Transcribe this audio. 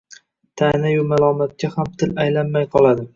ta’nayu malomatga ham til aylanmay qoladi.